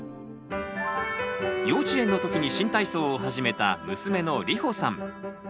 幼稚園のときに新体操を始めた娘のりほさん。